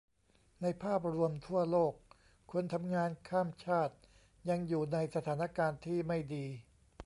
ในภาพรวมทั่วโลก คนทำงานข้ามชาติยังอยู่ในสถานการณ์ที่ไม่ดี